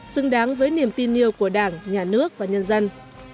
xứng đáng với niềm tin yêu của đảng nhà nước và nhân dân